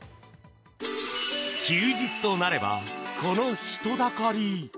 休日となればこの人だかり！